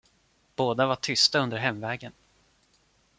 Båda var tysta under hemvägen.